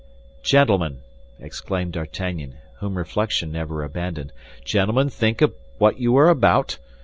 "Gentlemen," exclaimed D'Artagnan, whom reflection never abandoned, "gentlemen, think of what you are about.